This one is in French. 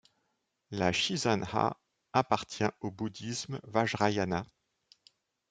La Chizan-ha appartient au Bouddhisme vajrayāna.